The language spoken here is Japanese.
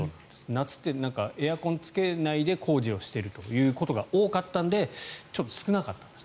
夏ってエアコンをつけないで工事をしているということが多かったんでちょっと少なかったんです。